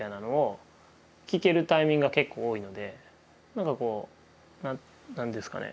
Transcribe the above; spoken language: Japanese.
何かこう何ですかね